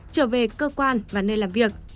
trở về cơ quan và nơi làm việc